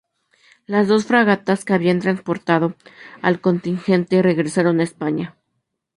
Las dos fragatas que habían transportado al contingente regresaron a España.